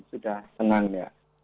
sudah senang ya